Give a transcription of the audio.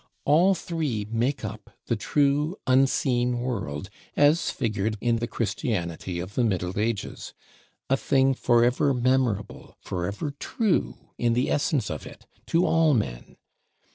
All three make up the true Unseen World, as figured in the Christianity of the Middle Ages; a thing forever memorable, forever true in the essence of it, to all men.